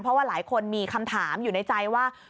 เพราะว่าหลายคนมีคำถามอยู่ในใจว่า